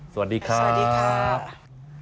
สวัสดีครับ